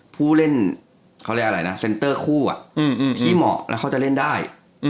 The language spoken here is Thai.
ผู้เล่นเขาเรียกอะไรนะเซ็นเตอร์คู่ที่เหมาะแล้วเขาจะเล่นได้